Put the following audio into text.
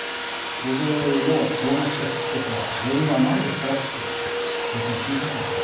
「僕のくも膜下出血は原因はなんですか？」って先生に聞いたんですよ。